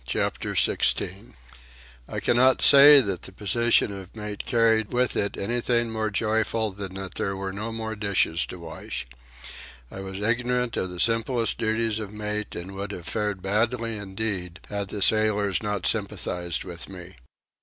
CHAPTER XVI I cannot say that the position of mate carried with it anything more joyful than that there were no more dishes to wash. I was ignorant of the simplest duties of mate, and would have fared badly indeed, had the sailors not sympathized with me.